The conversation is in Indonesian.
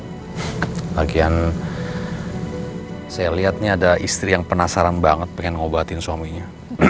sebagian saya lihat nih ada istri yang penasaran banget pengen ngobatin suaminya